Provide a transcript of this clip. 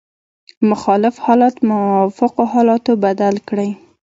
مخالف حالات په موافقو حالاتو بدل کړئ.